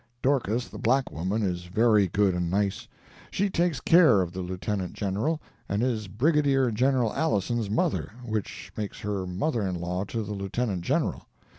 Dorcas, the black woman, is very good and nice; she takes care of the Lieutenant General, and is Brigadier General Alison's mother, which makes her mother in law to the Lieutenant General.